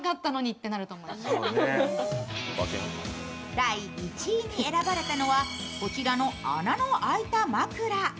第１位に選ばれたのはこちらの穴の開いた枕。